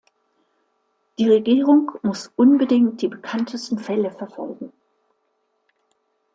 Die Regierung muss unbedingt die bekanntesten Fälle verfolgen.